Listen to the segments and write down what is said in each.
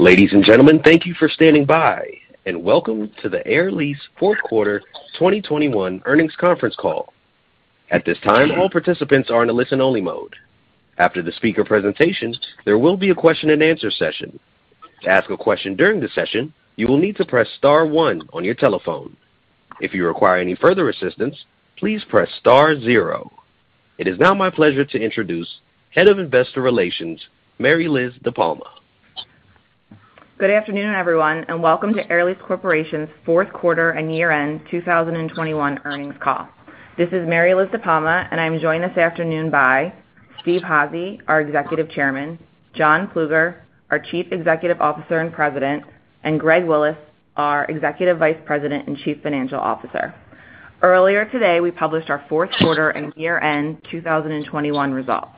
Ladies and gentlemen, thank you for standing by, and welcome to the Air Lease Fourth Quarter 2021 Earnings Conference Call. At this time, all participants are in a listen-only mode. After the speaker presentations, there will be a question-and-answer session. To ask a question during the session, you will need to press star one on your telephone. If you require any further assistance, please press star zero. It is now my pleasure to introduce Head of Investor Relations, Mary Liz DePalma. Good afternoon, everyone, and welcome to Air Lease Corporation's fourth quarter and year-end 2021 earnings call. This is Mary Liz De Palma, and I'm joined this afternoon by Steve Hazy, our Executive Chairman, John Plueger, our Chief Executive Officer and President, and Greg Willis, our Executive Vice President and Chief Financial Officer. Earlier today, we published our fourth quarter and year-end 2021 results.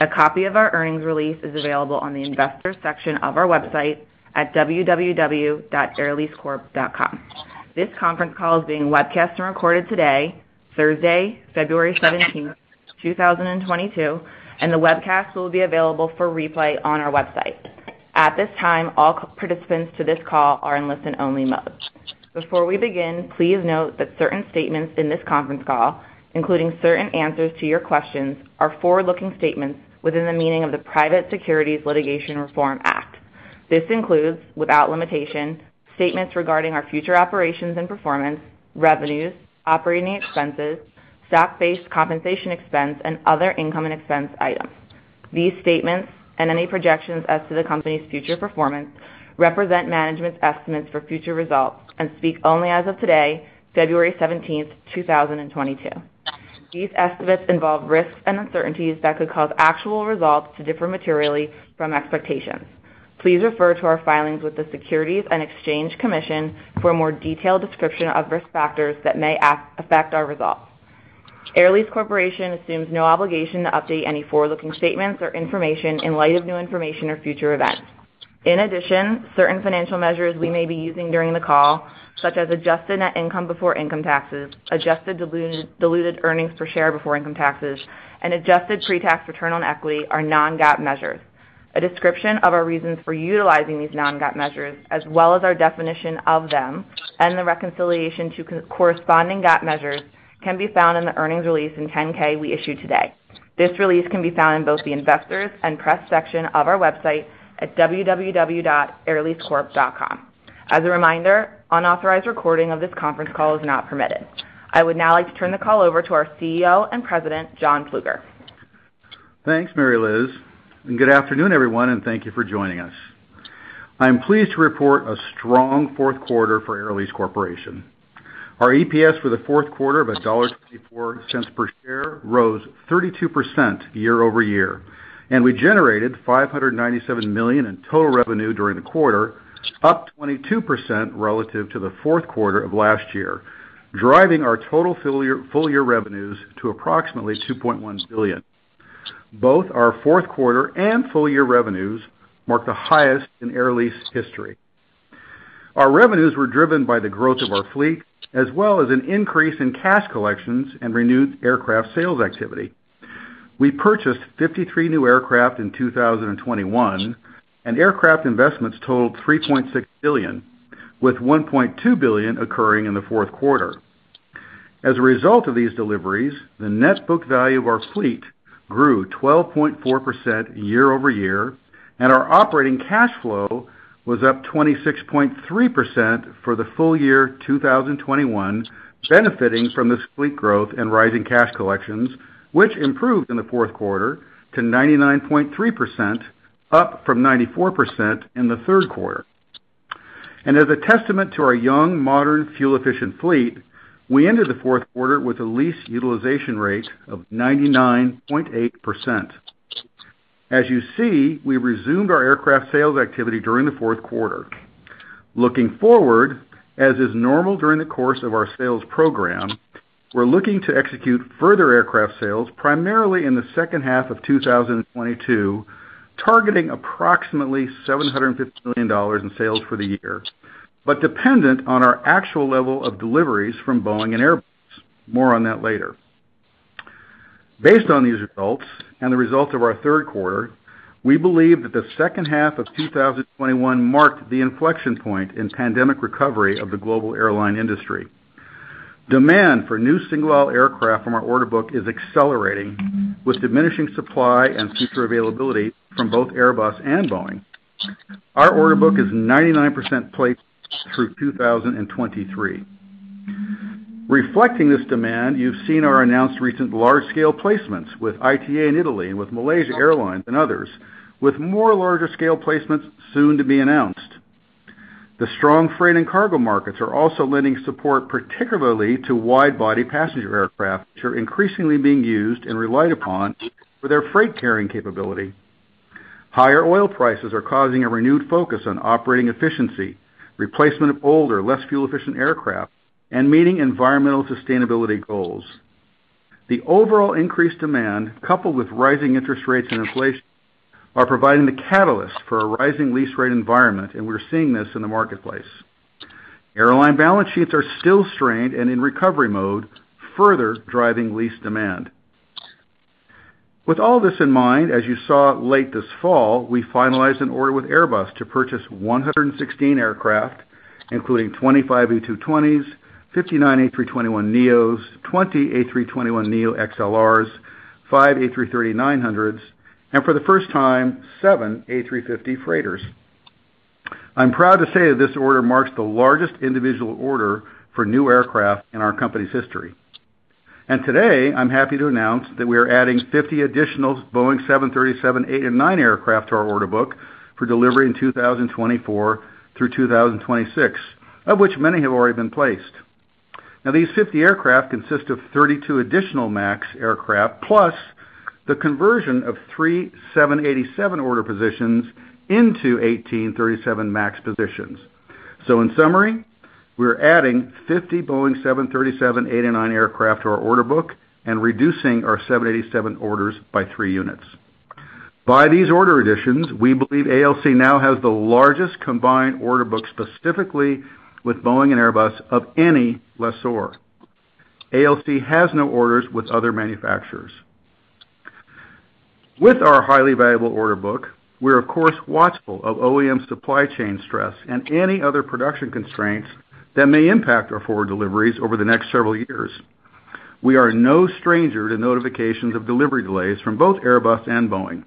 A copy of our earnings release is available on the investor section of our website at www.airleasecorp.com. This conference call is being webcast and recorded today, Thursday, February 17, 2022, and the webcast will be available for replay on our website. At this time, all participants to this call are in listen-only mode. Before we begin, please note that certain statements in this conference call, including certain answers to your questions, are forward-looking statements within the meaning of the Private Securities Litigation Reform Act. This includes, without limitation, statements regarding our future operations and performance, revenues, operating expenses, stock-based compensation expense, and other income and expense items. These statements, and any projections as to the company's future performance, represent management's estimates for future results and speak only as of today, February 17, 2022. These estimates involve risks and uncertainties that could cause actual results to differ materially from expectations. Please refer to our filings with the Securities and Exchange Commission for a more detailed description of risk factors that may affect our results. Air Lease Corporation assumes no obligation to update any forward-looking statements or information in light of new information or future events. In addition, certain financial measures we may be using during the call, such as adjusted net income before income taxes, adjusted diluted earnings per share before income taxes, and adjusted pre-tax return on equity are non-GAAP measures. A description of our reasons for utilizing these non-GAAP measures as well as our definition of them and the reconciliation to corresponding GAAP measures can be found in the earnings release and 10-K we issued today. This release can be found in both the investors and press section of our website at www.airleasecorp.com. As a reminder, unauthorized recording of this conference call is not permitted. I would now like to turn the call over to our CEO and President, John Plueger. Thanks, Mary Liz De Palma, and good afternoon, everyone, and thank you for joining us. I'm pleased to report a strong fourth quarter for Air Lease Corporation. Our EPS for the fourth quarter of $1.54 per share rose 32% year-over-year, and we generated $597 million in total revenue during the quarter, up 22% relative to the fourth quarter of last year, driving our total full year revenues to approximately $2.1 billion. Both our fourth quarter and full year revenues marked the highest in Air Lease history. Our revenues were driven by the growth of our fleet, as well as an increase in cash collections and renewed aircraft sales activity. We purchased 53 new aircraft in 2021, and aircraft investments totaled $3.6 billion, with $1.2 billion occurring in the fourth quarter. As a result of these deliveries, the net book value of our fleet grew 12.4% year-over-year, and our operating cash flow was up 26.3% for the full year 2021, benefiting from this fleet growth and rising cash collections, which improved in the fourth quarter to 99.3%, up from 94% in the third quarter. As a testament to our young, modern, fuel-efficient fleet, we ended the fourth quarter with a lease utilization rate of 99.8%. As you see, we resumed our aircraft sales activity during the fourth quarter. Looking forward, as is normal during the course of our sales program, we're looking to execute further aircraft sales primarily in the second half of 2022, targeting approximately $750 million in sales for the year, but dependent on our actual level of deliveries from Boeing and Airbus. More on that later. Based on these results and the results of our third quarter, we believe that the second half of 2021 marked the inflection point in pandemic recovery of the global airline industry. Demand for new single-aisle aircraft from our order book is accelerating with diminishing supply and future availability from both Airbus and Boeing. Our order book is 99% placed through 2023. Reflecting this demand, you've seen our announced recent large-scale placements with ITA in Italy and with Malaysia Airlines and others, with more larger scale placements soon to be announced. The strong freight and cargo markets are also lending support, particularly to wide-body passenger aircraft, which are increasingly being used and relied upon for their freight carrying capability. Higher oil prices are causing a renewed focus on operating efficiency, replacement of older, less fuel-efficient aircraft, and meeting environmental sustainability goals. The overall increased demand, coupled with rising interest rates and inflation, are providing the catalyst for a rising lease rate environment, and we're seeing this in the marketplace. Airline balance sheets are still strained and in recovery mode, further driving lease demand. With all this in mind, as you saw late this fall, we finalized an order with Airbus to purchase 116 aircraft, including 25 A220s, 59 A. 321 neos, 20 A321neo XLRs, 5 A330-900s, and for the first time, 7 A350 freighters. I'm proud to say that this order marks the largest individual order for new aircraft in our company's history. Today, I'm happy to announce that we are adding 50 additional Boeing 737-8 and 737-9 aircraft to our order book for delivery in 2024 through 2026, of which many have already been placed. These 50 aircraft consist of 32 additional MAX aircraft, plus the conversion of 3 787 order positions into 18 737 MAX positions. In summary, we're adding 50 Boeing 737-8 and 737-9 aircraft to our order book and reducing our 787 orders by three units. By these order additions, we believe ALC now has the largest combined order book, specifically with Boeing and Airbus, of any lessor. ALC has no orders with other manufacturers. With our highly valuable order book, we're of course watchful of OEM supply chain stress and any other production constraints that may impact our forward deliveries over the next several years. We are no stranger to notifications of delivery delays from both Airbus and Boeing.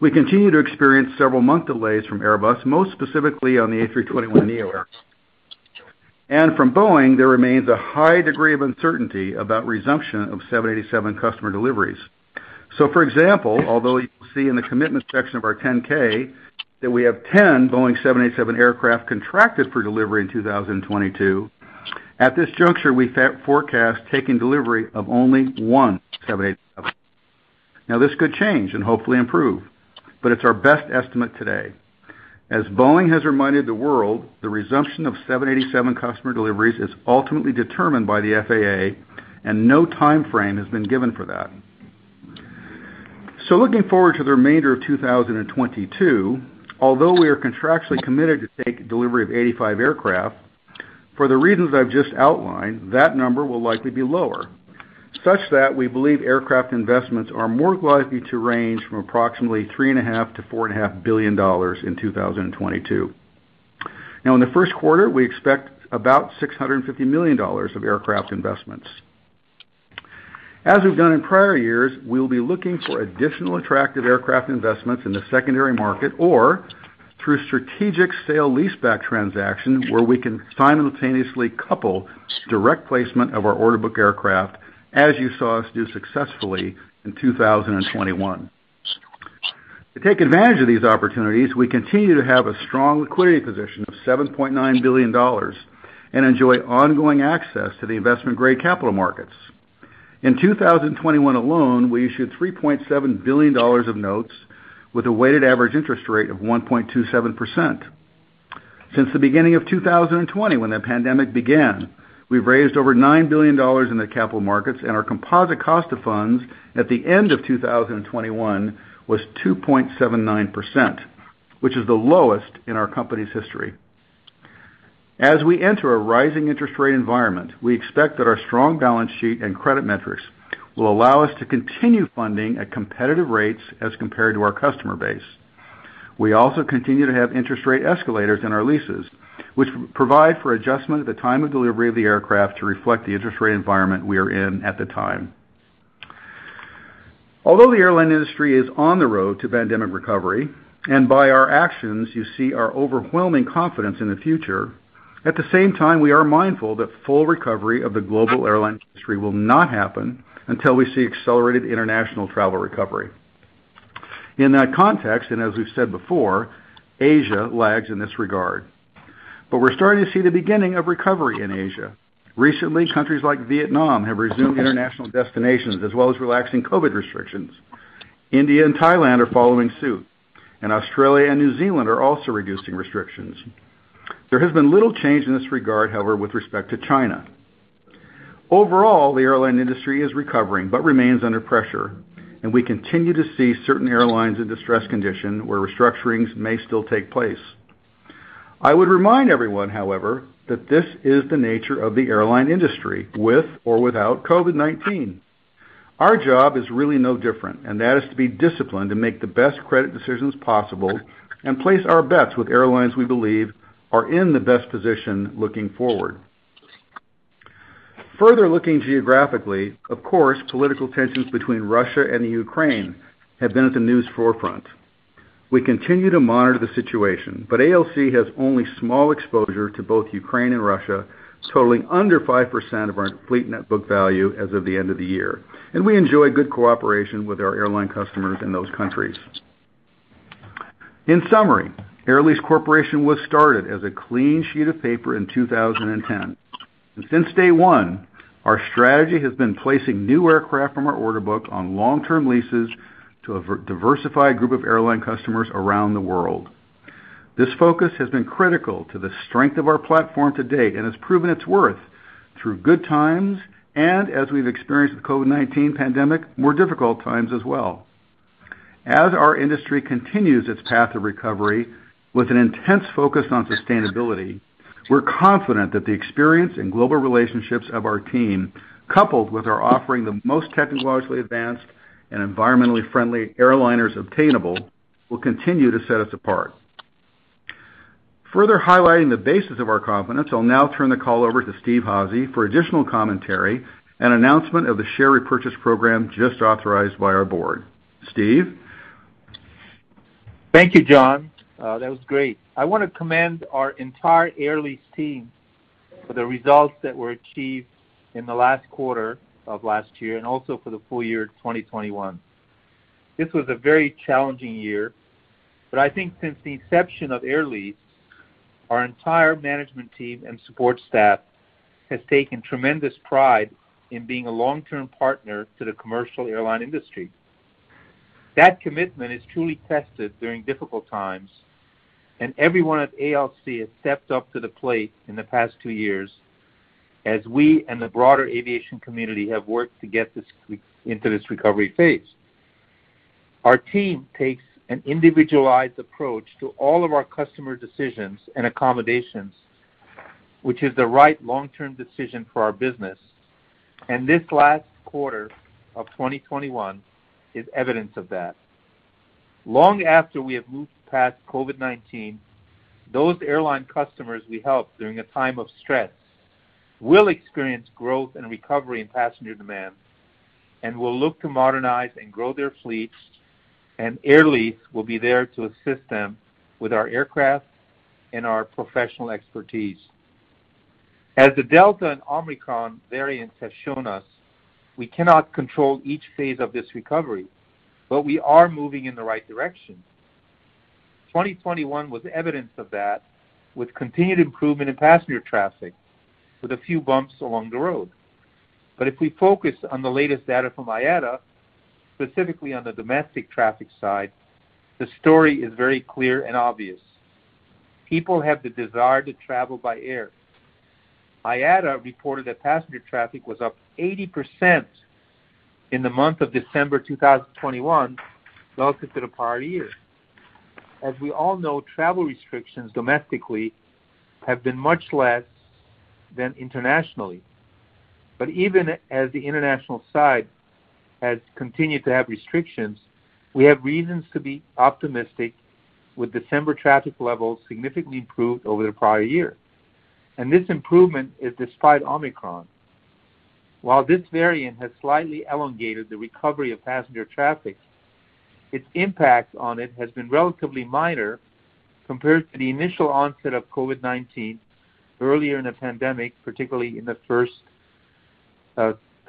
We continue to experience several-month delays from Airbus, most specifically on the A321neo aircraft. From Boeing, there remains a high degree of uncertainty about resumption of 787 customer deliveries. For example, although you can see in the commitment section of our 10-K that we have 10 Boeing 787 aircraft contracted for delivery in 2022, at this juncture, we forecast taking delivery of only one 787. Now, this could change and hopefully improve, but it's our best estimate today. As Boeing has reminded the world, the resumption of 787 customer deliveries is ultimately determined by the FAA, and no timeframe has been given for that. Looking forward to the remainder of 2022, although we are contractually committed to take delivery of 85 aircraft, for the reasons I've just outlined, that number will likely be lower, such that we believe aircraft investments are more likely to range from approximately $3.5 billion-$4.5 billion in 2022. Now, in the first quarter, we expect about $650 million of aircraft investments. As we've done in prior years, we'll be looking for additional attractive aircraft investments in the secondary market or through strategic sale-leaseback transaction, where we can simultaneously couple direct placement of our order book aircraft, as you saw us do successfully in 2021. To take advantage of these opportunities, we continue to have a strong liquidity position of $7.9 billion and enjoy ongoing access to the investment-grade capital markets. In 2021 alone, we issued $3.7 billion of notes with a weighted average interest rate of 1.27%. Since the beginning of 2020, when the pandemic began, we've raised over $9 billion in the capital markets, and our composite cost of funds at the end of 2021 was 2.79%, which is the lowest in our company's history. As we enter a rising interest rate environment, we expect that our strong balance sheet and credit metrics will allow us to continue funding at competitive rates as compared to our customer base. We also continue to have interest rate escalators in our leases, which provide for adjustment at the time of delivery of the aircraft to reflect the interest rate environment we are in at the time. Although the airline industry is on the road to pandemic recovery, and by our actions, you see our overwhelming confidence in the future, at the same time, we are mindful that full recovery of the global airline industry will not happen until we see accelerated international travel recovery. In that context, and as we've said before, Asia lags in this regard. We're starting to see the beginning of recovery in Asia. Recently, countries like Vietnam have resumed international destinations, as well as relaxing COVID restrictions. India and Thailand are following suit, and Australia and New Zealand are also reducing restrictions. There has been little change in this regard, however, with respect to China. Overall, the airline industry is recovering but remains under pressure, and we continue to see certain airlines in distressed condition where restructurings may still take place. I would remind everyone, however, that this is the nature of the airline industry with or without COVID-19. Our job is really no different, and that is to be disciplined to make the best credit decisions possible and place our bets with airlines we believe are in the best position looking forward. Further looking geographically, of course, political tensions between Russia and Ukraine have been at the news forefront. We continue to monitor the situation, but ALC has only small exposure to both Ukraine and Russia, totaling under 5% of our fleet net book value as of the end of the year, and we enjoy good cooperation with our airline customers in those countries. In summary, Air Lease Corporation was started as a clean sheet of paper in 2010. Since day one, our strategy has been placing new aircraft from our order book on long-term leases to a very diversified group of airline customers around the world. This focus has been critical to the strength of our platform to date and has proven its worth through good times, and as we've experienced with COVID-19 pandemic, more difficult times as well. Our industry continues its path to recovery with an intense focus on sustainability. We're confident that the experience in global relationships of our team, coupled with our offering the most technologically advanced and environmentally friendly airliners obtainable, will continue to set us apart. Further highlighting the basis of our confidence, I'll now turn the call over to Steve Hazy for additional commentary and announcement of the share repurchase program just authorized by our board. Steve? Thank you, John. That was great. I want to commend our entire Air Lease team for the results that were achieved in the last quarter of last year and also for the full year of 2021. This was a very challenging year, but I think since the inception of Air Lease, our entire management team and support staff has taken tremendous pride in being a long-term partner to the commercial airline industry. That commitment is truly tested during difficult times, and everyone at ALC has stepped up to the plate in the past two years as we and the broader aviation community have worked to get this into this recovery phase. Our team takes an individualized approach to all of our customer decisions and accommodations, which is the right long-term decision for our business. This last quarter of 2021 is evidence of that. Long after we have moved past COVID-19, those airline customers we helped during a time of stress will experience growth and recovery in passenger demand and will look to modernize and grow their fleets, and Air Lease will be there to assist them with our aircraft and our professional expertise. As the Delta and Omicron variants have shown us, we cannot control each phase of this recovery, but we are moving in the right direction. 2021 was evidence of that, with continued improvement in passenger traffic with a few bumps along the road. If we focus on the latest data from IATA, specifically on the domestic traffic side, the story is very clear and obvious. People have the desire to travel by air. IATA reported that passenger traffic was up 80% in the month of December 2021 relative to the prior year. As we all know, travel restrictions domestically have been much less than internationally. Even as the international side has continued to have restrictions, we have reasons to be optimistic with December traffic levels significantly improved over the prior year. This improvement is despite Omicron. While this variant has slightly elongated the recovery of passenger traffic, its impact on it has been relatively minor compared to the initial onset of COVID-19 earlier in the pandemic, particularly in the first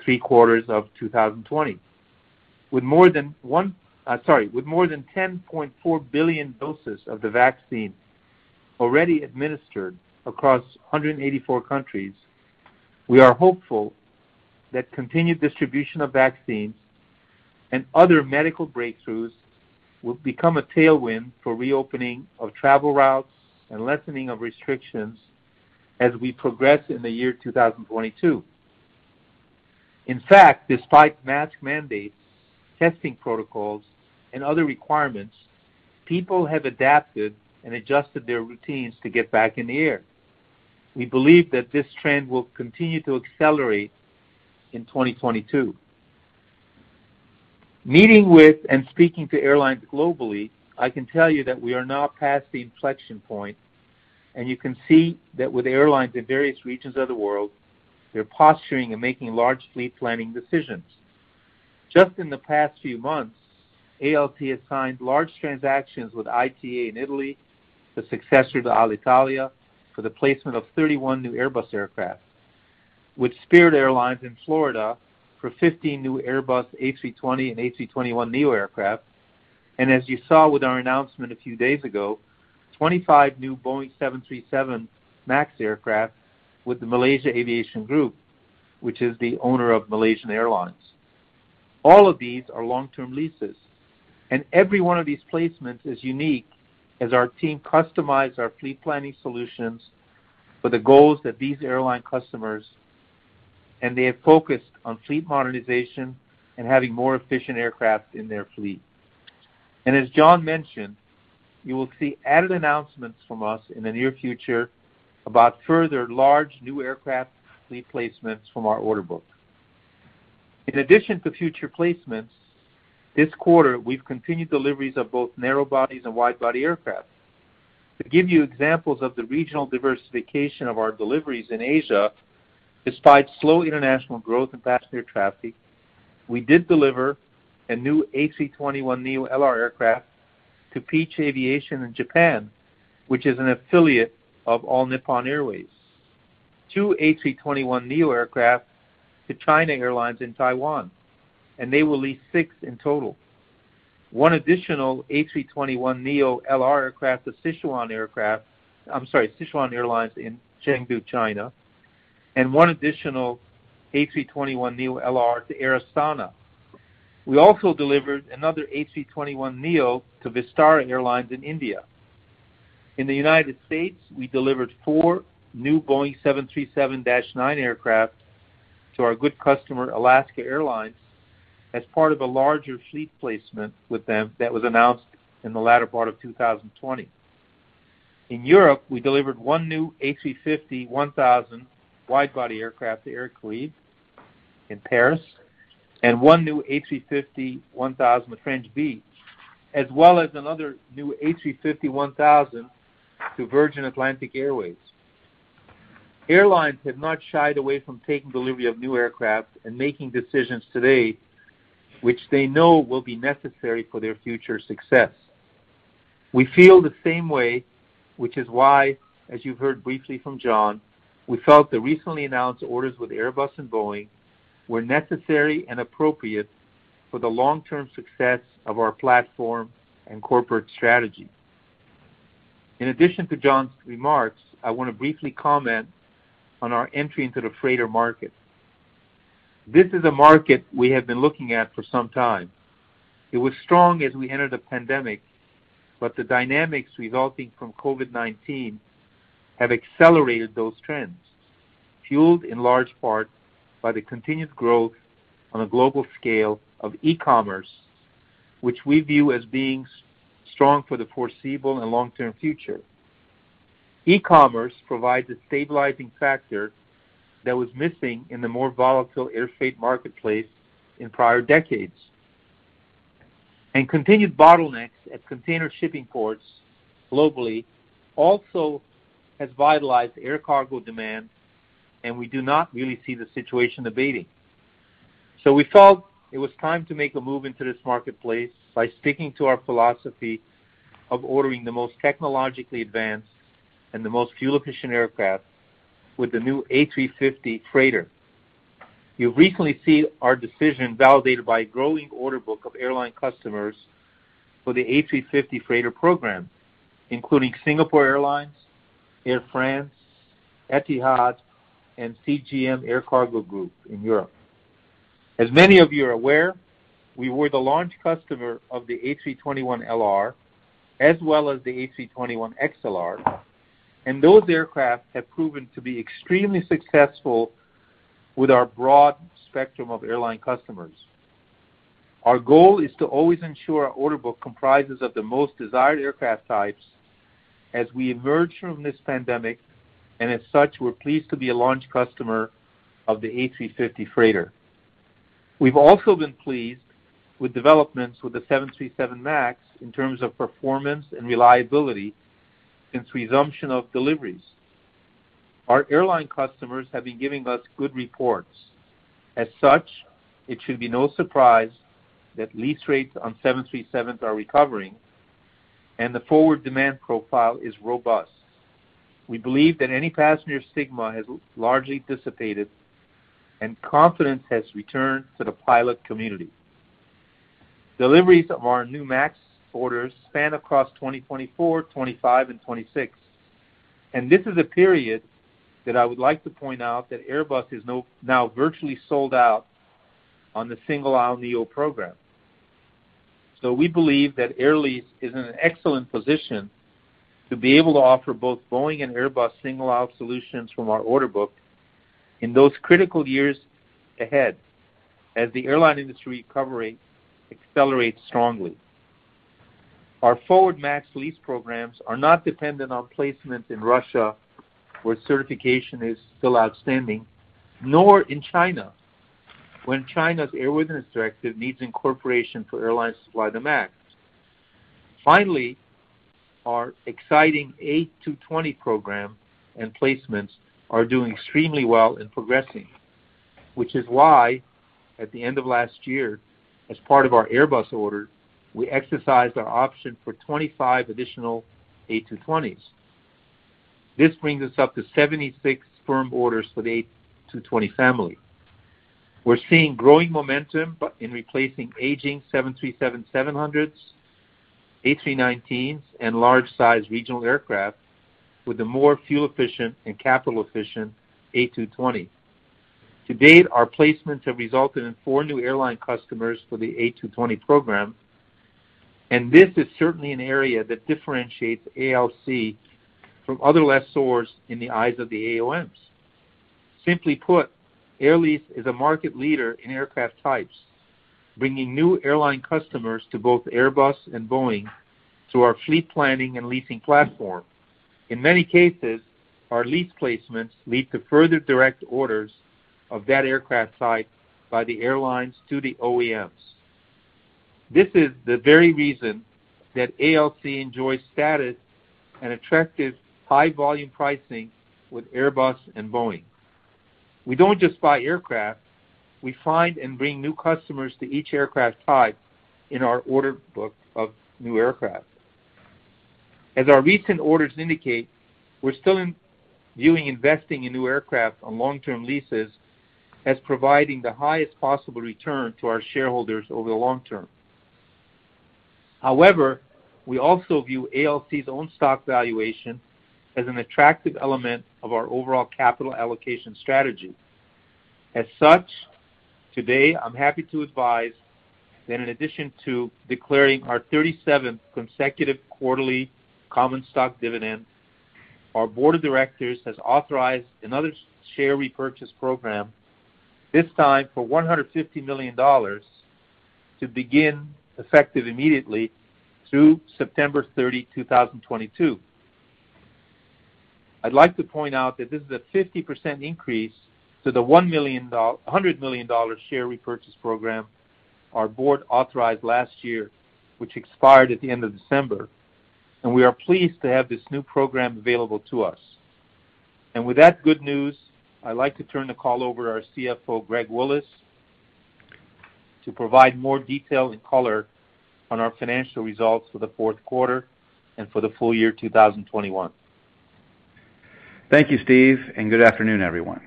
three quarters of 2020. With more than 10.4 billion doses of the vaccine already administered across 184 countries, we are hopeful that continued distribution of vaccines and other medical breakthroughs will become a tailwind for reopening of travel routes and lessening of restrictions as we progress in the year 2022. In fact, despite mask mandates, testing protocols, and other requirements, people have adapted and adjusted their routines to get back in the air. We believe that this trend will continue to accelerate in 2022. Meeting with and speaking to airlines globally, I can tell you that we are now past the inflection point, and you can see that with airlines in various regions of the world, they're posturing and making large fleet planning decisions. Just in the past few months, ALC has signed large transactions with ITA in Italy, the successor to Alitalia, for the placement of 31 new Airbus aircraft with Spirit Airlines in Florida for 15 new Airbus A320 and A321neo aircraft. As you saw with our announcement a few days ago, 25 new Boeing 737 MAX aircraft with the Malaysia Aviation Group, which is the owner of Malaysia Airlines. All of these are long-term leases, and every one of these placements is unique as our team customized our fleet planning solutions for the goals that these airline customers, and they have focused on fleet modernization and having more efficient aircraft in their fleet. As John mentioned, you will see added announcements from us in the near future about further large new aircraft fleet placements from our order book. In addition to future placements, this quarter, we've continued deliveries of both narrow bodies and wide-body aircraft. To give you examples of the regional diversification of our deliveries in Asia, despite slow international growth in passenger traffic, we did deliver a new A321neo LR aircraft to Peach Aviation in Japan, which is an affiliate of All Nippon Airways. 2 A321neo aircraft to China Airlines in Taiwan, and they will lease six in total. One additional A321neo LR aircraft to Sichuan Aircraft. I'm sorry, Sichuan Airlines in Chengdu, China, and 1 additional A321neo LR to Air Astana. We also delivered another A321neo to Vistara in India. In the United States, we delivered four new Boeing 737-9 aircraft to our good customer, Alaska Airlines, as part of a larger fleet placement with them that was announced in the latter part of 2020. In Europe, we delivered 1 new A350-1000 wide-body aircraft to Aircalin in Paris and 1 new A350-1000 to French Bee, as well as another new A350-1000 to Virgin Atlantic Airways. Airlines have not shied away from taking delivery of new aircraft and making decisions today which they know will be necessary for their future success. We feel the same way, which is why, as you've heard briefly from John, we felt the recently announced orders with Airbus and Boeing were necessary and appropriate for the long-term success of our platform and corporate strategy. In addition to John's remarks, I want to briefly comment on our entry into the freighter market. This is a market we have been looking at for some time. It was strong as we entered the pandemic, but the dynamics resulting from COVID-19 have accelerated those trends, fueled in large part by the continued growth on a global scale of e-commerce, which we view as being strong for the foreseeable and long-term future. E-commerce provides a stabilizing factor that was missing in the more volatile air freight marketplace in prior decades. Continued bottlenecks at container shipping ports globally also has vitalized air cargo demand, and we do not really see the situation abating. We felt it was time to make a move into this marketplace by sticking to our philosophy of ordering the most technologically advanced and the most fuel-efficient aircraft with the new A350 Freighter. You'll see our decision validated by a growing order book of airline customers for the A350 Freighter program, including Singapore Airlines, Air France, Etihad, and CMA CGM Air Cargo in Europe. As many of you are aware, we were the launch customer of the A321LR as well as the A321XLR, and those aircraft have proven to be extremely successful with our broad spectrum of airline customers. Our goal is to always ensure our order book comprises of the most desired aircraft types as we emerge from this pandemic, and as such, we're pleased to be a launch customer of the A350 Freighter. We've also been pleased with developments with the 737 MAX in terms of performance and reliability since resumption of deliveries. Our airline customers have been giving us good reports. As such, it should be no surprise that lease rates on 737s are recovering and the forward demand profile is robust. We believe that any passenger stigma has largely dissipated and confidence has returned to the pilot community. Deliveries of our new MAX orders span across 2024, 2025, and 2026. This is a period that I would like to point out that Airbus is now virtually sold out on the single-aisle neo program. We believe that Air Lease is in an excellent position to be able to offer both Boeing and Airbus single-aisle solutions from our order book in those critical years ahead as the airline industry recovery accelerates strongly. Our forward MAX lease programs are not dependent on placements in Russia, where certification is still outstanding, nor in China, when China's airworthiness directive needs incorporation for airlines to fly the MAX. Finally, our exciting A220 program and placements are doing extremely well in progressing, which is why, at the end of last year, as part of our Airbus order, we exercised our option for 25 additional A220s. This brings us up to 76 firm orders for the A220 family. We're seeing growing momentum but in replacing aging 737-700s, A319s, and large-sized regional aircraft with a more fuel-efficient and capital-efficient A220. To date, our placements have resulted in four new airline customers for the A220 program, and this is certainly an area that differentiates ALC from other lessors in the eyes of the OEMs. Simply put, Air Lease is a market leader in aircraft types, bringing new airline customers to both Airbus and Boeing through our fleet planning and leasing platform. In many cases, our lease placements lead to further direct orders of that aircraft type by the airlines to the OEMs. This is the very reason that ALC enjoys status and attractive high-volume pricing with Airbus and Boeing. We don't just buy aircraft. We find and bring new customers to each aircraft type in our order book of new aircraft. As our recent orders indicate, we're still viewing investing in new aircraft on long-term leases as providing the highest possible return to our shareholders over the long term. However, we also view ALC's own stock valuation as an attractive element of our overall capital allocation strategy. As such, today, I'm happy to advise that in addition to declaring our 37th consecutive quarterly common stock dividend, our board of directors has authorized another share repurchase program, this time for $150 million to begin effective immediately through September 30, 2022. I'd like to point out that this is a 50% increase to the $100 million share repurchase program our board authorized last year, which expired at the end of December. We are pleased to have this new program available to us. With that good news, I'd like to turn the call over to our CFO, Greg Willis, to provide more detail and color on our financial results for the fourth quarter and for the full year 2021. Thank you, Steve, and good afternoon, everyone.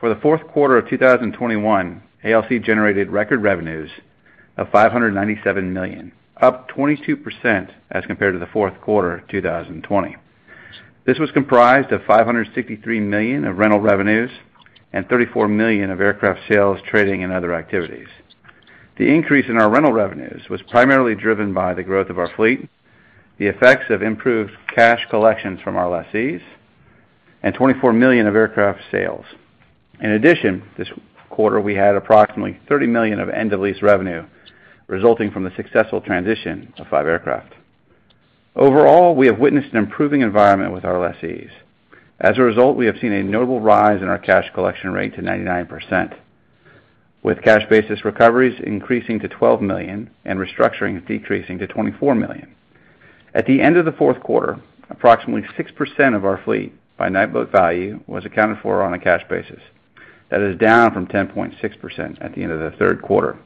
For the fourth quarter of 2021, ALC generated record revenues of $597 million, up 22% as compared to the fourth quarter of 2020. This was comprised of $563 million of rental revenues and $34 million of aircraft sales, trading, and other activities. The increase in our rental revenues was primarily driven by the growth of our fleet, the effects of improved cash collections from our lessees, and $24 million of aircraft sales. In addition, this quarter, we had approximately $30 million of end-of-lease revenue resulting from the successful transition of 5 aircraft. Overall, we have witnessed an improving environment with our lessees. As a result, we have seen a notable rise in our cash collection rate to 99%, with cash basis recoveries increasing to $12 million and restructuring decreasing to $24 million. At the end of the fourth quarter, approximately 6% of our fleet by net book value was accounted for on a cash basis. That is down from 10.6% at the end of the third quarter.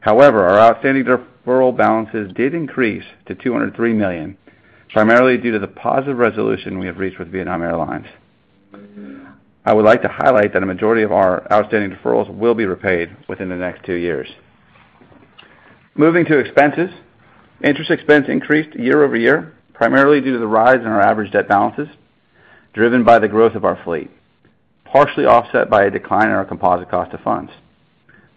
However, our outstanding deferral balances did increase to $203 million, primarily due to the positive resolution we have reached with Vietnam Airlines. I would like to highlight that a majority of our outstanding deferrals will be repaid within the next two years. Moving to expenses, interest expense increased year-over-year, primarily due to the rise in our average debt balances, driven by the growth of our fleet, partially offset by a decline in our composite cost of funds.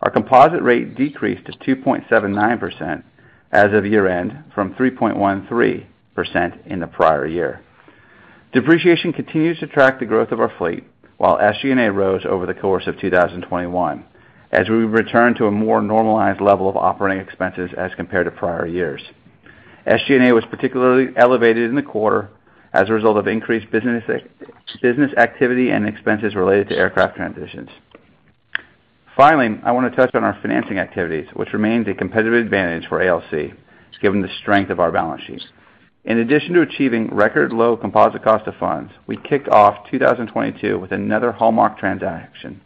Our composite rate decreased to 2.79% as of year-end from 3.13% in the prior year. Depreciation continues to track the growth of our fleet, while SG&A rose over the course of 2021 as we return to a more normalized level of operating expenses as compared to prior years. SG&A was particularly elevated in the quarter as a result of increased business activity and expenses related to aircraft transitions. Finally, I wanna touch on our financing activities, which remains a competitive advantage for ALC given the strength of our balance sheet. In addition to achieving record low composite cost of funds, we kicked off 2022 with another hallmark transaction,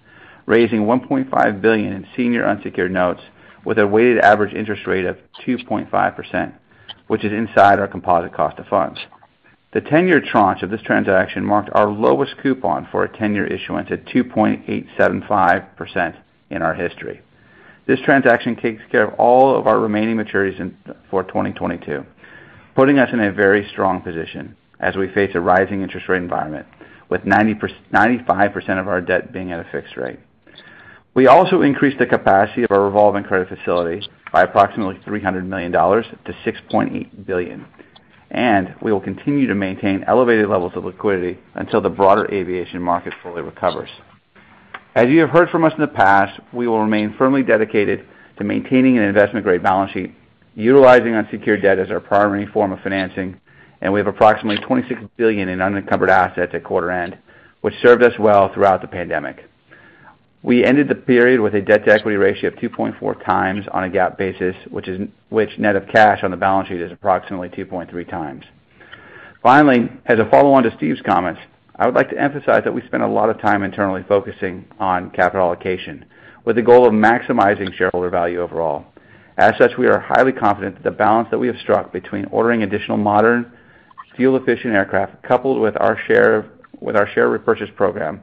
raising $1.5 billion in senior unsecured notes with a weighted average interest rate of 2.5%, which is inside our composite cost of funds. The 10-year tranche of this transaction marked our lowest coupon for a 10-year issuance at 2.875% in our history. This transaction takes care of all of our remaining maturities in, for 2022, putting us in a very strong position as we face a rising interest rate environment with 95% of our debt being at a fixed rate. We also increased the capacity of our revolving credit facility by approximately $300 million-$6.8 billion, and we will continue to maintain elevated levels of liquidity until the broader aviation market fully recovers. As you have heard from us in the past, we will remain firmly dedicated to maintaining an investment-grade balance sheet, utilizing unsecured debt as our primary form of financing, and we have approximately $26 billion in unencumbered assets at quarter end, which served us well throughout the pandemic. We ended the period with a debt-to-equity ratio of 2.4x on a GAAP basis, which net of cash on the balance sheet is approximately 2.3x. Finally, as a follow-on to Steve's comments, I would like to emphasize that we spent a lot of time internally focusing on capital allocation with the goal of maximizing shareholder value overall. As such, we are highly confident that the balance that we have struck between ordering additional modern, fuel-efficient aircraft coupled with our share repurchase program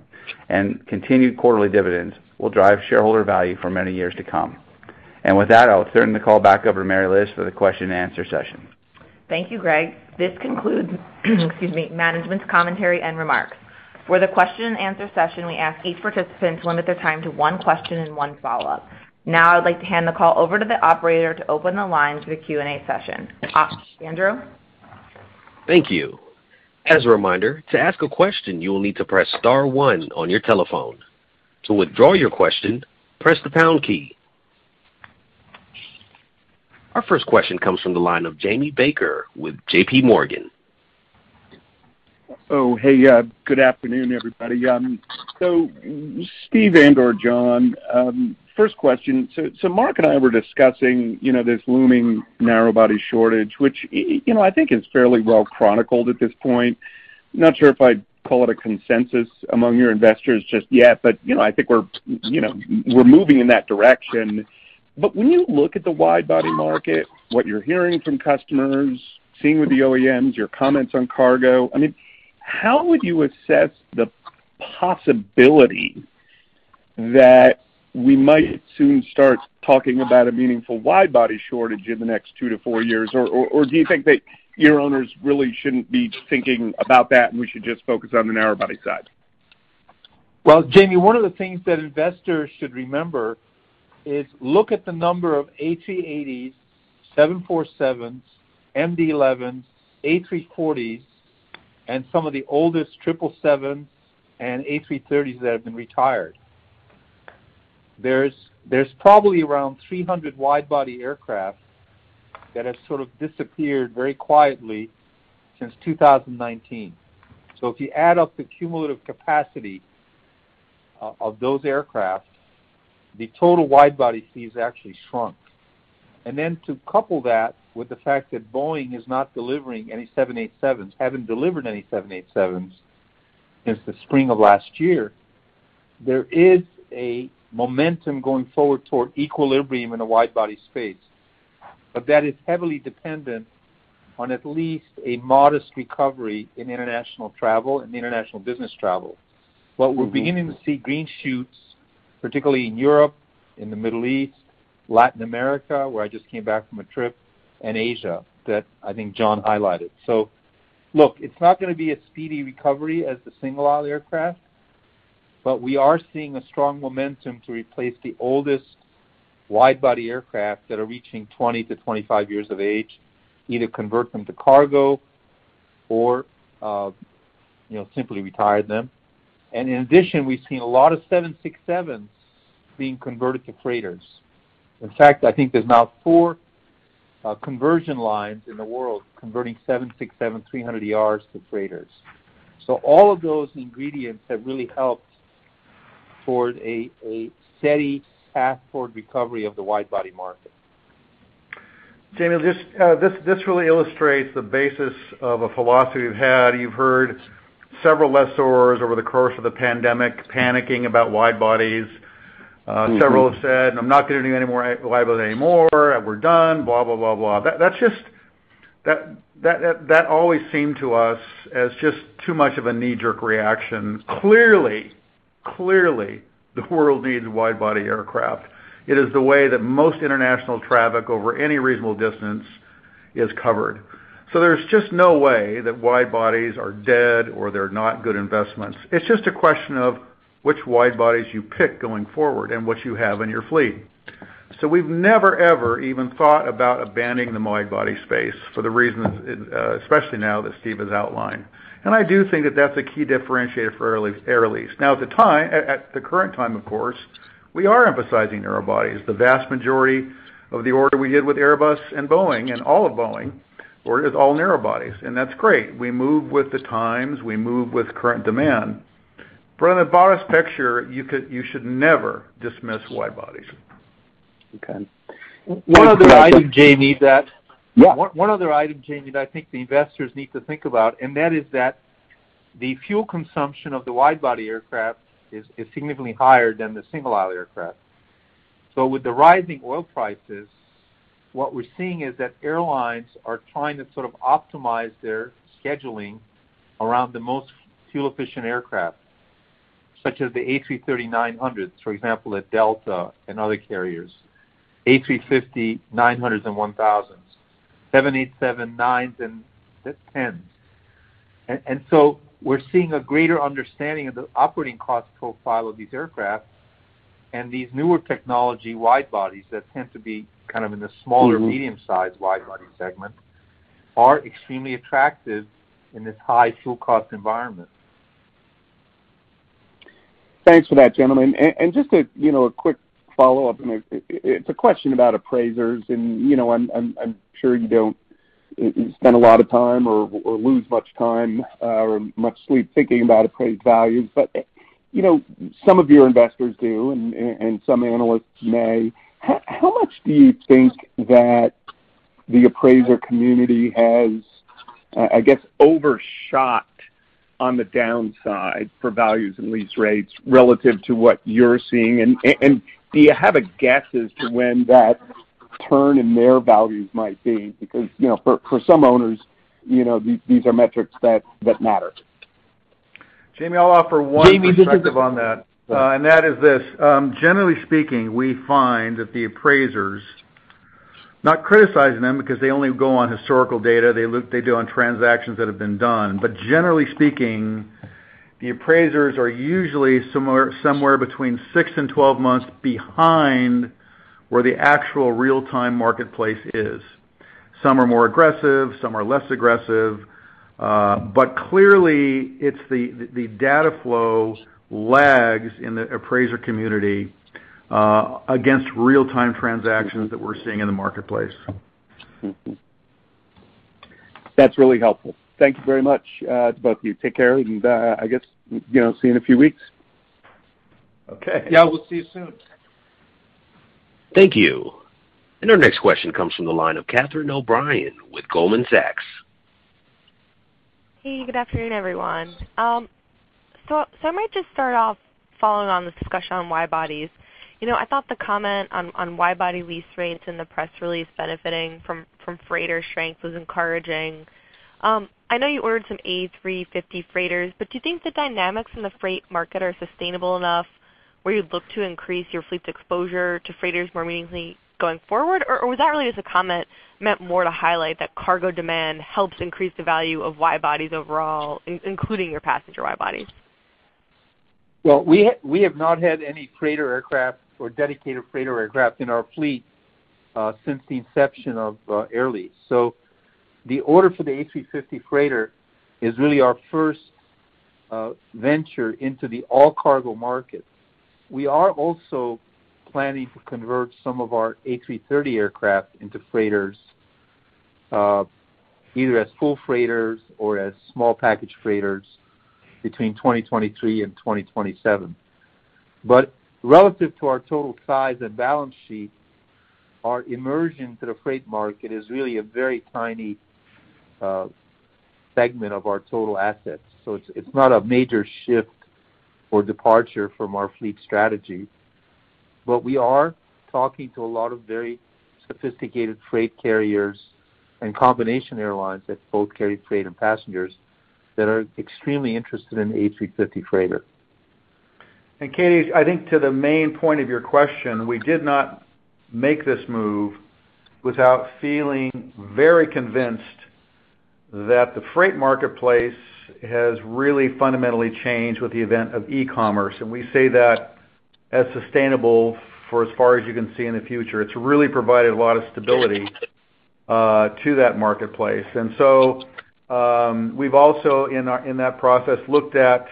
and continued quarterly dividends will drive shareholder value for many years to come. With that, I'll turn the call back over to Mary Liz for the question and answer session. Thank you, Greg. This concludes, excuse me, management's commentary and remarks. For the question and answer session, we ask each participant to limit their time to one question and one follow-up. Now I'd like to hand the call over to the operator to open the line to the Q&A session. Andrew? Thank you. As a reminder, to ask a question, you will need to press star one on your telephone. To withdraw your question, press the pound key. Our first question comes from the line of Jamie Baker with JPMorgan. Oh, hey. Good afternoon, everybody. Steve and/or John, first question. Mark and I were discussing, you know, this looming narrow body shortage, which, you know, I think is fairly well chronicled at this point. Not sure if I'd call it a consensus among your investors just yet, but, you know, I think we're, you know, we're moving in that direction. But when you look at the wide body market, what you're hearing from customers, seeing with the OEMs, your comments on cargo, I mean, how would you assess the possibility that we might soon start talking about a meaningful wide body shortage in the next two to four years? Or do you think that your owners really shouldn't be thinking about that, and we should just focus on the narrow body side? Well, Jimmy, one of the things that investors should remember is look at the number of A380s, 747s, MD-11s, A340s, and some of the oldest 777 and A330s that have been retired. There's probably around 300 wide body aircraft that have sort of disappeared very quietly since 2019. If you add up the cumulative capacity of those aircraft, the total wide body fleet actually shrunk. To couple that with the fact that Boeing is not delivering any 787s, haven't delivered any 787s since the spring of last year, there is a momentum going forward toward equilibrium in a wide body space. That is heavily dependent on at least a modest recovery in international travel and international business travel. We're beginning to see green shoots, particularly in Europe, in the Middle East, Latin America, where I just came back from a trip, and Asia, that I think John highlighted. Look, it's not gonna be a speedy recovery as the single-aisle aircraft, but we are seeing a strong momentum to replace the oldest wide-body aircraft that are reaching 20-25 years of age, either convert them to cargo or, you know, simply retire them. In addition, we've seen a lot of 767s being converted to freighters. In fact, I think there's now four conversion lines in the world converting 767-300ERs to freighters. All of those ingredients have really helped toward a steady path toward recovery of the wide-body market. Jimmy, this really illustrates the basis of a philosophy we've had. You've heard several lessors over the course of the pandemic panicking about wide bodies. Several have said, "I'm not gonna do any more wide body anymore, and we're done, blah, blah." That's just. That always seemed to us as just too much of a knee-jerk reaction. Clearly, the world needs wide body aircraft. It is the way that most international traffic over any reasonable distance is covered. There's just no way that wide bodies are dead or they're not good investments. It's just a question of which wide bodies you pick going forward and what you have in your fleet. We've never, ever even thought about abandoning the wide body space for the reasons, especially now that Steve has outlined. I do think that that's a key differentiator for Air Lease. Now at the time, at the current time, of course, we are emphasizing narrow bodies. The vast majority of the order we did with Airbus and Boeing, and all of Boeing ordered all narrow bodies, and that's great. We move with the times, we move with current demand. On the broadest picture, you should never dismiss wide bodies. Okay. One other item, Jamie. Yeah. One other item, Jamie, that I think the investors need to think about, and that is that the fuel consumption of the wide body aircraft is significantly higher than the single aisle aircraft. With the rising oil prices, what we're seeing is that airlines are trying to sort of optimize their scheduling around the most fuel-efficient aircraft, such as the A330-900, for example, at Delta and other carriers, A350-900s and 1000s, 787-9s and 10s. We're seeing a greater understanding of the operating cost profile of these aircraft and these newer technology wide bodies that tend to be kind of in the smaller, medium-sized wide body segment are extremely attractive in this high fuel cost environment. Thanks for that, gentlemen. Just a quick follow-up, you know. It's a question about appraisers. You know, I'm sure you don't spend a lot of time or lose much sleep thinking about appraised values. You know, some of your investors do and some analysts may. How much do you think that the appraiser community has, I guess, overshot on the downside for values and lease rates relative to what you're seeing? Do you have a guess as to when that turn in their values might be? You know, for some owners, you know, these are metrics that matter. Jamie, I'll offer one perspective on that. That is this: generally speaking, we find that the appraisers, not criticizing them because they only go on historical data, they look at transactions that have been done. Generally speaking, the appraisers are usually similar, somewhere between six and 12 months behind where the actual real-time marketplace is. Some are more aggressive, some are less aggressive. Clearly it's the data flow lags in the appraiser community against real-time transactions that we're seeing in the marketplace. Mm-hmm. That's really helpful. Thank you very much to both of you. Take care, and I guess, you know, see you in a few weeks. Okay. Yeah, we'll see you soon. Thank you. Our next question comes from the line of Catherine O'Brien with Goldman Sachs. Hey, good afternoon, everyone. I might just start off following on this discussion on wide bodies. I thought the comment on wide body lease rates in the press release benefiting from freighter strength was encouraging. I know you ordered some A350 freighters, but do you think the dynamics in the freight market are sustainable enough where you'd look to increase your fleet's exposure to freighters more meaningfully going forward? Or was that really just a comment meant more to highlight that cargo demand helps increase the value of wide-bodies overall, including your passenger wide-bodies? Well, we have not had any freighter aircraft or dedicated freighter aircraft in our fleet since the inception of Air Lease. The order for the A350 Freighter is really our first venture into the all-cargo market. We are also planning to convert some of our A330 aircraft into freighters, either as full freighters or as small package freighters between 2023 and 2027. Relative to our total size and balance sheet, our incursion into the freight market is really a very tiny segment of our total assets. It's not a major shift or departure from our fleet strategy, but we are talking to a lot of very sophisticated freight carriers and combination airlines that both carry freight and passengers that are extremely interested in the A350 Freighter. Katie, I think to the main point of your question, we did not make this move without feeling very convinced that the freight marketplace has really fundamentally changed with the advent of e-commerce. We see that as sustainable for as far as you can see in the future. It's really provided a lot of stability to that marketplace. We've also, in that process, looked at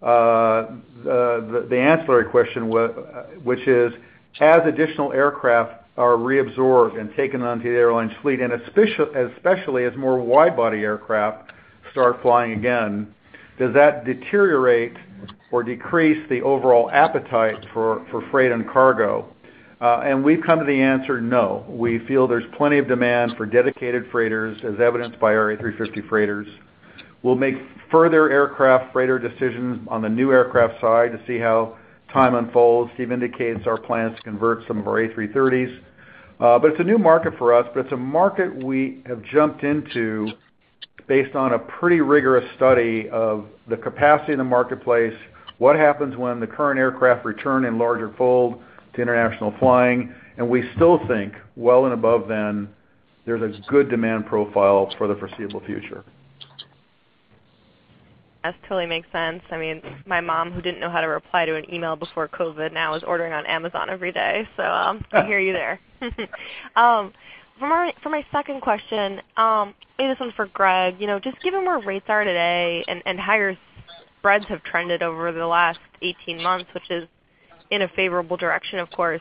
the ancillary question which is as additional aircraft are reabsorbed and taken onto the airline's fleet, and especially as more wide-body aircraft start flying again, does that deteriorate or decrease the overall appetite for freight and cargo? We've come to the answer, no. We feel there's plenty of demand for dedicated freighters, as evidenced by our A350 freighters. We'll make further aircraft freighter decisions on the new aircraft side to see how time unfolds. Steve indicates our plans to convert some of our A330s. It's a new market for us, but it's a market we have jumped into based on a pretty rigorous study of the capacity in the marketplace, what happens when the current aircraft return in larger fold to international flying, and we still think well and above, then there's a good demand profile for the foreseeable future. That totally makes sense. I mean, my mom, who didn't know how to reply to an email before COVID, now is ordering on Amazon every day. I hear you there. For my second question, maybe this one's for Greg. You know, just given where rates are today and how your spreads have trended over the last 18 months, which is in a favorable direction, of course,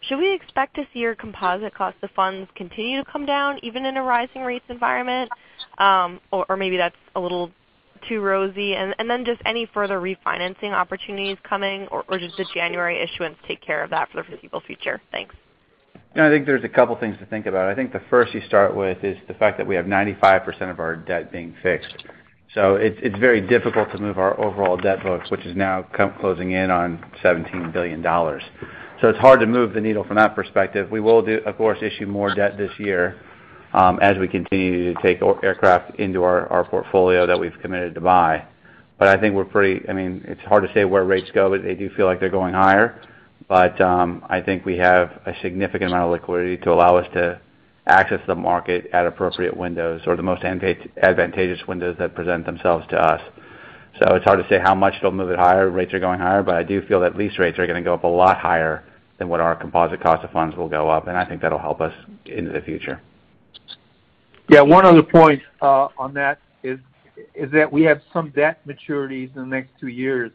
should we expect to see your composite cost of funds continue to come down even in a rising rates environment? Maybe that's a little too rosy. Just any further refinancing opportunities coming or does the January issuance take care of that for the foreseeable future? Thanks. You know, I think there's a couple things to think about. I think the first you start with is the fact that we have 95% of our debt being fixed. It's very difficult to move our overall debt books, which is now closing in on $17 billion. It's hard to move the needle from that perspective. We will of course issue more debt this year, as we continue to take aircraft into our portfolio that we've committed to buy. I think we're pretty. I mean, it's hard to say where rates go, but they do feel like they're going higher. I think we have a significant amount of liquidity to allow us to access the market at appropriate windows or the most advantageous windows that present themselves to us. It's hard to say how much they'll move it higher. Rates are going higher, but I do feel that lease rates are gonna go up a lot higher than what our composite cost of funds will go up, and I think that'll help us into the future. Yeah. One other point on that is that we have some debt maturities in the next two years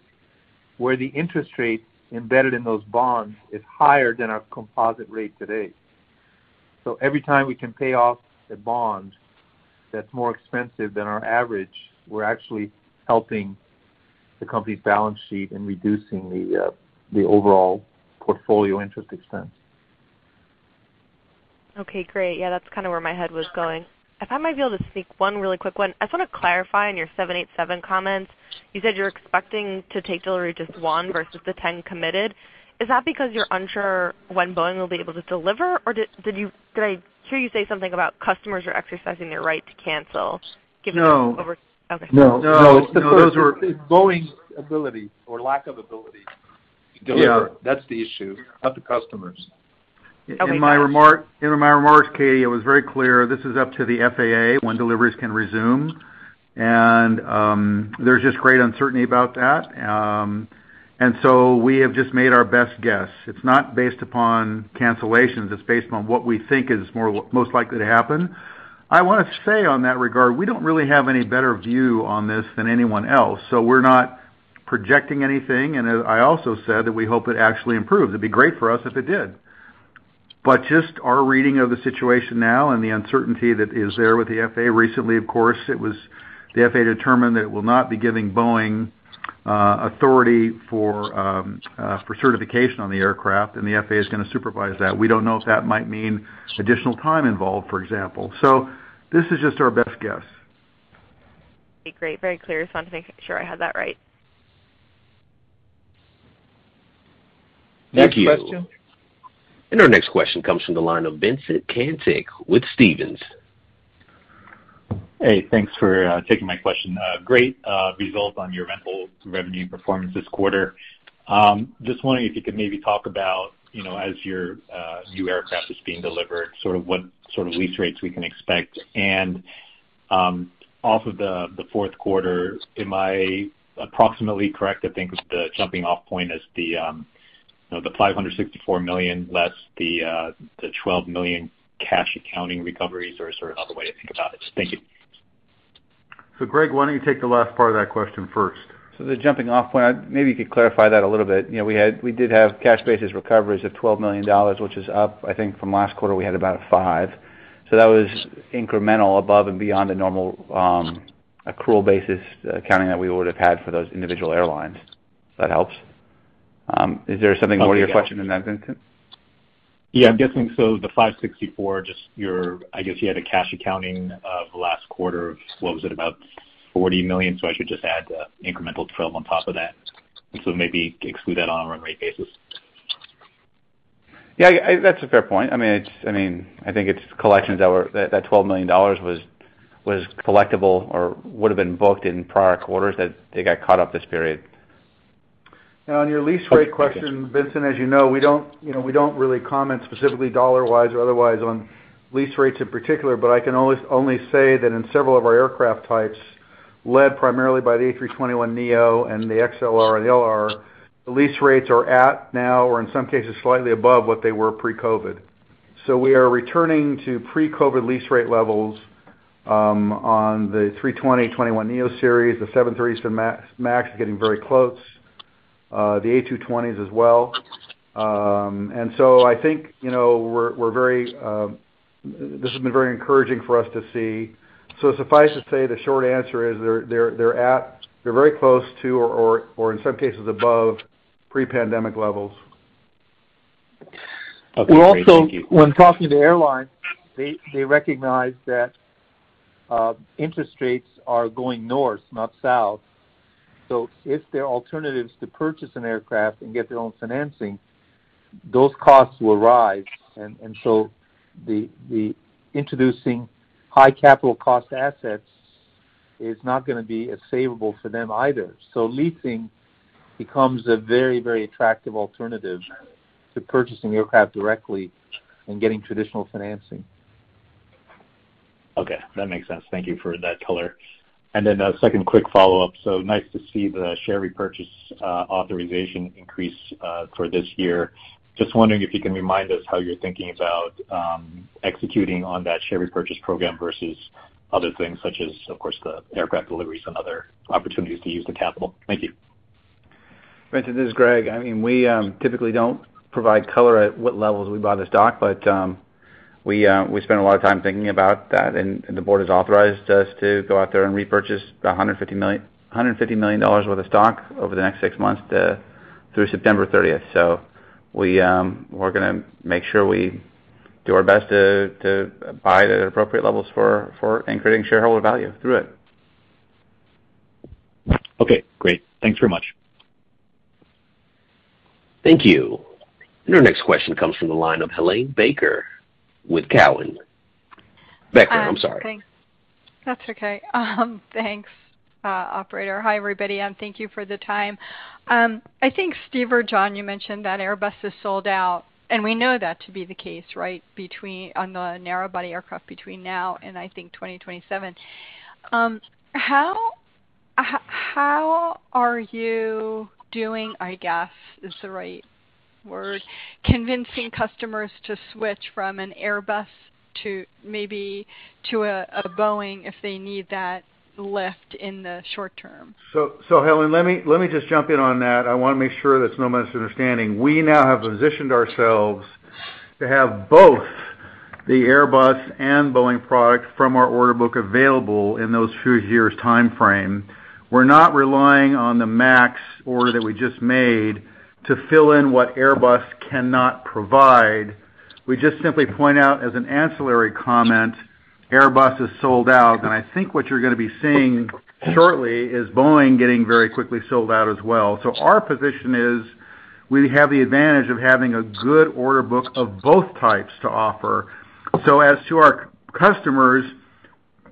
where the interest rate embedded in those bonds is higher than our composite rate today. Every time we can pay off a bond that's more expensive than our average, we're actually helping the company's balance sheet and reducing the overall portfolio interest expense. Okay, great. Yeah, that's kind of where my head was going. If I might be able to sneak one really quick one. I just wanna clarify on your 787 comments. You said you're expecting to take delivery just 1 versus the 10 committed. Is that because you're unsure when Boeing will be able to deliver? Or did I hear you say something about customers exercising their right to cancel given over- No. Okay. No. No. Those were Boeing's ability or lack of ability to deliver. Yeah. That's the issue, not the customers. Okay. In my remarks, Katie, it was very clear this is up to the FAA when deliveries can resume. There's just great uncertainty about that. We have just made our best guess. It's not based upon cancellations. It's based on what we think is most likely to happen. I wanna say on that regard, we don't really have any better view on this than anyone else. We're not projecting anything. I also said that we hope it actually improves. It'd be great for us if it did. Just our reading of the situation now and the uncertainty that is there with the FAA recently, of course, it was the FAA determined that it will not be giving Boeing authority for certification on the aircraft, and the FAA is gonna supervise that. We don't know if that might mean additional time involved, for example. This is just our best guess. Okay, great. Very clear. Just wanted to make sure I had that right. Next question. Thank you. Our next question comes from the line of Vincent Caintic with Stephens. Hey, thanks for taking my question. Great result on your rental revenue performance this quarter. Just wondering if you could maybe talk about, you know, as your new aircraft is being delivered, sort of what sort of lease rates we can expect. Off of the fourth quarter, am I approximately correct to think the jumping off point is the, you know, the $564 million less the $12 million cash accounting recoveries, or is there another way to think about it? Thank you. Greg, why don't you take the last part of that question first. The jumping off point, maybe you could clarify that a little bit. You know, we did have cash basis recoveries of $12 million, which is up, I think, from last quarter, we had about $5 million. That was incremental above and beyond the normal, accrual basis accounting that we would have had for those individual airlines if that helps. Is there something more to your question than that, Vincent? Yeah, I'm guessing. The 564, just your, I guess you had a cash accounting of the last quarter of, what was it? About $40 million. I should just add the incremental $12 million on top of that. Maybe exclude that on a run rate basis. Yeah, that's a fair point. I mean, I think it's collections that $12 million was collectible or would have been booked in prior quarters, that they got caught up this period. Now on your lease rate question, Vincent, as you know, we don't, you know, we don't really comment specifically dollar-wise or otherwise on lease rates in particular, but I can only say that in several of our aircraft types, led primarily by the A321neo and the XLR and LR, the lease rates are now at or in some cases slightly above what they were pre-COVID. We are returning to pre-COVID lease rate levels on the 320, 321neo series. The 737 MAX is getting very close, the A220s as well. I think, you know, we're very, this has been very encouraging for us to see. Suffice to say, the short answer is they're at, they're very close to or in some cases above pre-pandemic levels. Okay, great. Thank you. We're also, when talking to airlines, they recognize that interest rates are going north, not south. If there are alternatives to purchase an aircraft and get their own financing, those costs will rise. The introducing high capital cost assets is not gonna be as favorable for them either. Leasing becomes a very, very attractive alternative to purchasing aircraft directly and getting traditional financing. Okay, that makes sense. Thank you for that color. Then a second quick follow-up. Nice to see the share repurchase authorization increase for this year. Just wondering if you can remind us how you're thinking about executing on that share repurchase program versus other things such as, of course, the aircraft deliveries and other opportunities to use the capital. Thank you. Vincent, this is Greg. I mean, we typically don't provide color at what levels we buy the stock, but we spend a lot of time thinking about that, and the board has authorized us to go out there and repurchase $150 million worth of stock over the next six months through September thirtieth. We're gonna make sure we do our best to buy the appropriate levels for increasing shareholder value through it. Okay, great. Thanks very much. Thank you. Our next question comes from the line of Helane Becker with Cowen. Becker, I'm sorry. Thanks. That's okay. Thanks, operator. Hi, everybody, and thank you for the time. I think Steve or John, you mentioned that Airbus is sold out, and we know that to be the case, right? On the narrow body aircraft between now and I think 2027. How are you doing, I guess is the right word, convincing customers to switch from an Airbus to maybe a Boeing if they need that lift in the short term? Helane, let me just jump in on that. I wanna make sure there's no misunderstanding. We now have positioned ourselves to have both the Airbus and Boeing products from our order book available in those few years timeframe. We're not relying on the Max order that we just made to fill in what Airbus cannot provide. We just simply point out as an ancillary comment, Airbus is sold out. I think what you're gonna be seeing shortly is Boeing getting very quickly sold out as well. Our position is we have the advantage of having a good order book of both types to offer. As to our customers,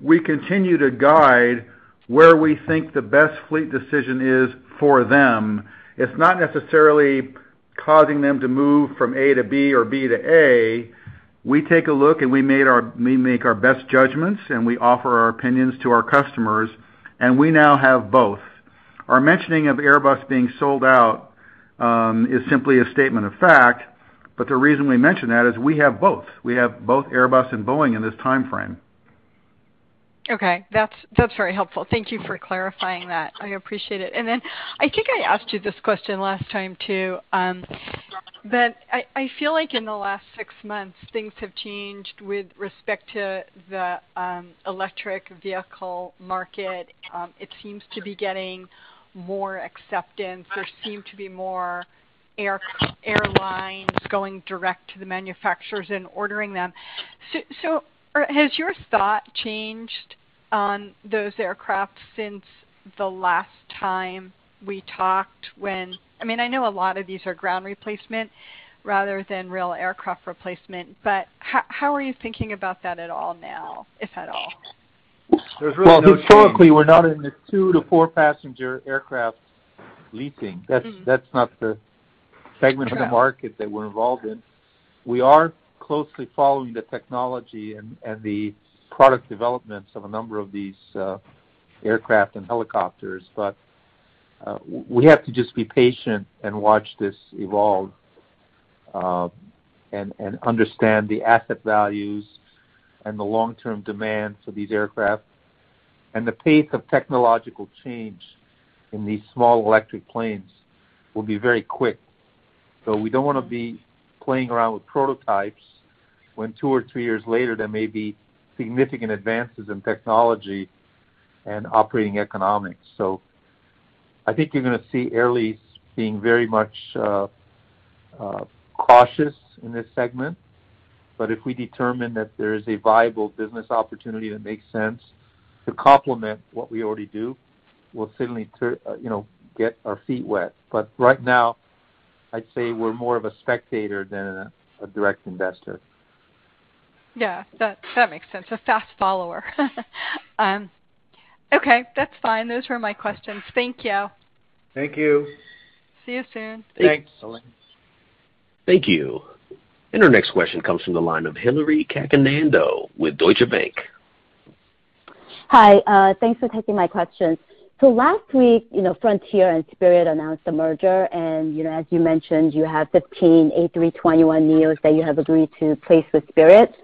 we continue to guide where we think the best fleet decision is for them. It's not necessarily causing them to move from A to B or B to A. We take a look, and we make our best judgments, and we offer our opinions to our customers, and we now have both. Our mentioning of Airbus being sold out is simply a statement of fact. The reason we mention that is we have both. We have both Airbus and Boeing in this timeframe. Okay. That's very helpful. Thank you for clarifying that. I appreciate it. Then I think I asked you this question last time too. I feel like in the last six months, things have changed with respect to the electric vehicle market. It seems to be getting more acceptance. There seem to be more airlines going direct to the manufacturers and ordering them. Has your thought changed on those aircraft since the last time we talked when I mean, I know a lot of these are ground replacement rather than real aircraft replacement, but how are you thinking about that at all now, if at all? Well, historically, we're not in the two to four passenger aircraft leasing. Mm-hmm. That's not the segment of the market that we're involved in. We are closely following the technology and the product developments of a number of these aircraft and helicopters. We have to just be patient and watch this evolve and understand the asset values and the long-term demand for these aircraft. The pace of technological change in these small electric planes will be very quick. We don't wanna be playing around with prototypes when two or three years later there may be significant advances in technology and operating economics. I think you're gonna see Air Lease being very much cautious in this segment. If we determine that there is a viable business opportunity that makes sense to complement what we already do, we'll certainly you know, get our feet wet. Right now, I'd say we're more of a spectator than a direct investor. Yeah. That makes sense. A fast follower. Okay, that's fine. Those were my questions. Thank you. Thank you. See you soon. Thanks. Thanks. Thank you. Our next question comes from the line of Hillary Cacanando with Deutsche Bank. Hi, thanks for taking my question. Last week, you know, Frontier and Spirit announced a merger, and, you know, as you mentioned, you have 15 A321neos that you have agreed to place with Spirit.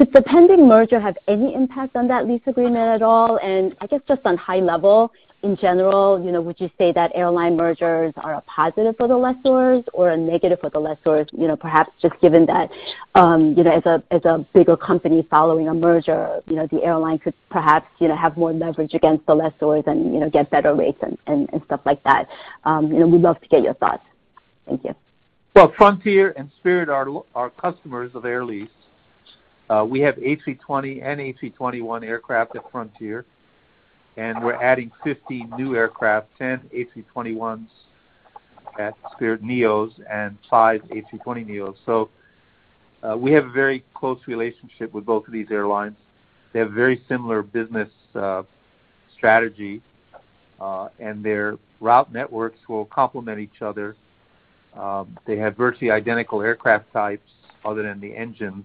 Could the pending merger have any impact on that lease agreement at all? I guess just on high level, in general, you know, would you say that airline mergers are a positive for the lessors or a negative for the lessors? You know, perhaps just given that, you know, as a, as a bigger company following a merger, you know, the airline could perhaps, you know, have more leverage against the lessors and, you know, get better rates and stuff like that. You know, we'd love to get your thoughts. Thank you. Well, Frontier and Spirit are customers of Air Lease. We have A320 and A321 aircraft at Frontier, and we're adding 50 new aircraft, 10 A321neo at Spirit, and five A320neo. We have a very close relationship with both of these airlines. They have very similar business strategy, and their route networks will complement each other. They have virtually identical aircraft types other than the engines,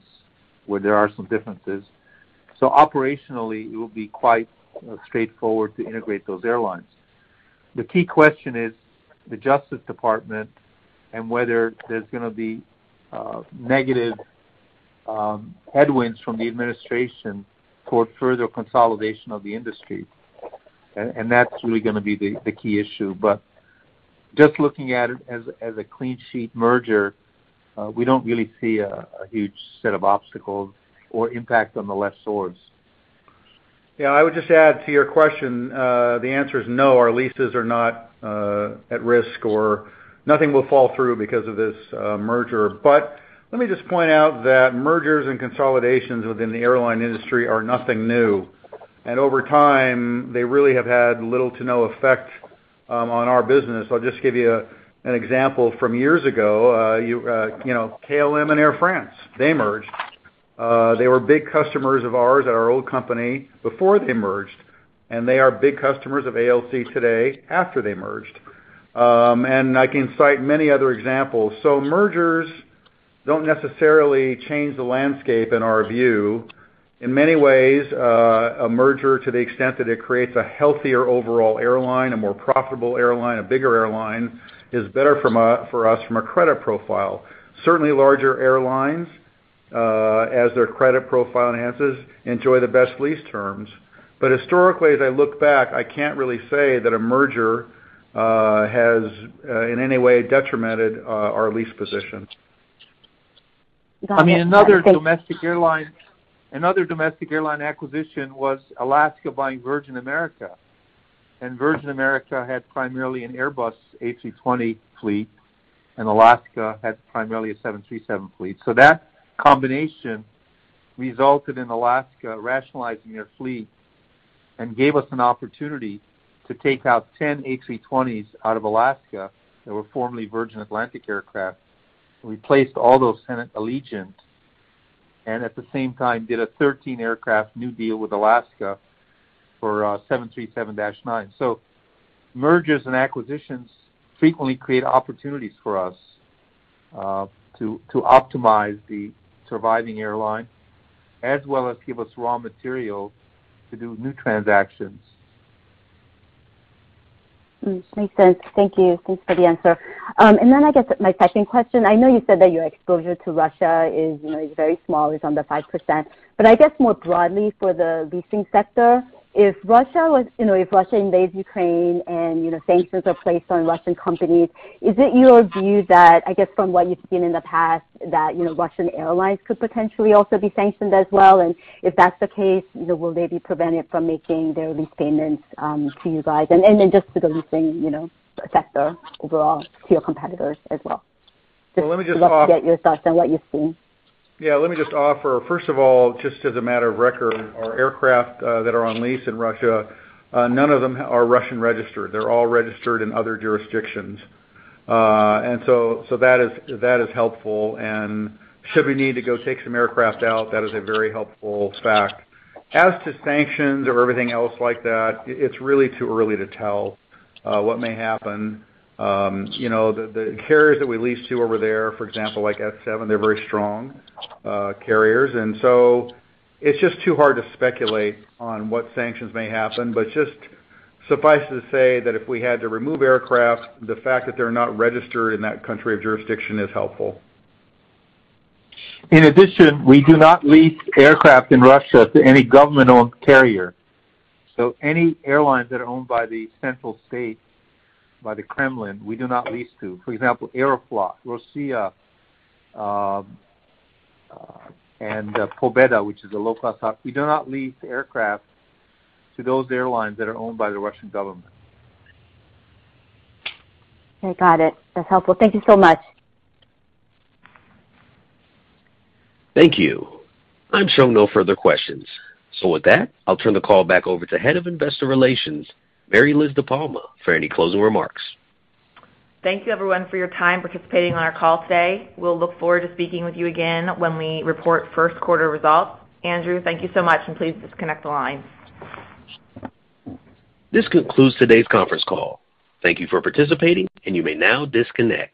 where there are some differences. Operationally, it will be quite straightforward to integrate those airlines. The key question is the Justice Department and whether there's gonna be negative headwinds from the administration towards further consolidation of the industry. And that's really gonna be the key issue. Just looking at it as a clean sheet merger, we don't really see a huge set of obstacles or impact on the lessors. Yeah. Yeah. I would just add to your question. The answer is no, our leases are not at risk or nothing will fall through because of this merger. Let me just point out that mergers and consolidations within the airline industry are nothing new. Over time, they really have had little to no effect on our business. I'll just give you an example from years ago. You know, KLM and Air France, they merged. They were big customers of ours at our old company before they merged, and they are big customers of ALC today after they merged. I can cite many other examples. Mergers don't necessarily change the landscape in our view. In many ways, a merger to the extent that it creates a healthier overall airline, a more profitable airline, a bigger airline, is better for us from a credit profile. Certainly larger airlines, as their credit profile enhances, enjoy the best lease terms. Historically, as I look back, I can't really say that a merger has in any way detrimented our lease position. Got it. I mean, another domestic airline acquisition was Alaska buying Virgin America. Virgin America had primarily an Airbus A320 fleet, and Alaska had primarily a 737 fleet. That combination resulted in Alaska rationalizing their fleet and gave us an opportunity to take out 10 A320s out of Alaska that were formerly Virgin America aircraft. We placed all those 10 at Allegiant, and at the same time did a 13 aircraft new deal with Alaska for 737-9. Mergers and acquisitions frequently create opportunities for us to optimize the surviving airline as well as give us raw material to do new transactions. Makes sense. Thank you. Thanks for the answer. I guess my second question, I know you said that your exposure to Russia is, you know, very small, under 5%. But I guess more broadly for the leasing sector, if Russia invades Ukraine and, you know, sanctions are placed on Russian companies, is it your view that, I guess from what you've seen in the past, that, you know, Russian airlines could potentially also be sanctioned as well? And if that's the case, you know, will they be prevented from making their lease payments to you guys? Just to the leasing sector overall to your competitors as well. Well, let me just. Just love to get your thoughts on what you're seeing. Yeah, let me just offer, first of all, just as a matter of record, our aircraft that are on lease in Russia, none of them are Russian registered. They're all registered in other jurisdictions. That is helpful. Should we need to go take some aircraft out, that is a very helpful fact. As to sanctions or everything else like that, it's really too early to tell what may happen. You know, the carriers that we lease to over there, for example, like S7, they're very strong carriers. It's just too hard to speculate on what sanctions may happen. But just suffice to say that if we had to remove aircraft, the fact that they're not registered in that country of jurisdiction is helpful. In addition, we do not lease aircraft in Russia to any government-owned carrier. Any airlines that are owned by the central state, by the Kremlin, we do not lease to. For example, Aeroflot, Rossiya, and Pobeda, we do not lease aircraft to those airlines that are owned by the Russian government. I got it. That's helpful. Thank you so much. Thank you. I'm showing no further questions. With that, I'll turn the call back over to Head of Investor Relations, Mary Liz DePalma, for any closing remarks. Thank you everyone for your time participating on our call today. We'll look forward to speaking with you again when we report first quarter results. Andrew, thank you so much, and please disconnect the line. This concludes today's conference call. Thank you for participating, and you may now disconnect.